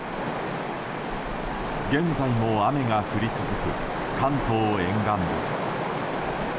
現在も雨が降り続く関東沿岸部。